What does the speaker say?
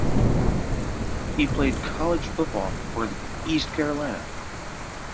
He played college football for the East Carolina.